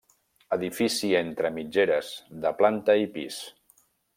Edifici entre mitgeres, de planta i pis.